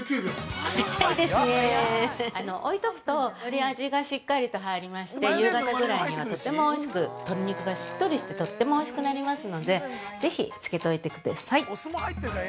◆置いておくとより味がしっかりと入りまして夕方ぐらいには、とてもおいしく鶏肉がしっとりしてとってもおいしくなりますのでぜひ漬けておいてください。